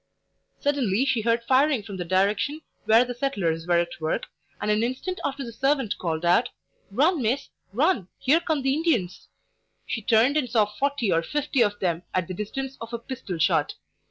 Suddenly she heard firing from the direction where the settlers were at work, and an instant after the servant called out: "Run, miss! run! here come the Indians!" She turned and saw forty or fifty of them at the distance of a pistol shot.